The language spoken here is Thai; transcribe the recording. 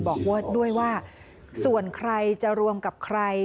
บอกว่าด้วยว่าส่วนใครจะรวมกับใคร